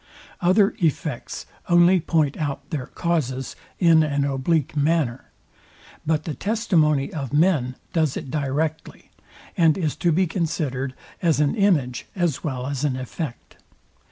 Other effects only point out their causes in an oblique manner; but the testimony of men does it directly, and is to be considered as an image as well as an effect.